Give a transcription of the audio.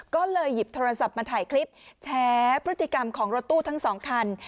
ก็เลยหยิบโทรศัพท์มาถ่ายคลิปแชร์พฤติกรรมของรถตู้ทั้งสองคัน